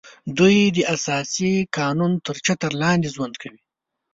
دوی د اساسي قانون تر چتر لاندې ژوند کوي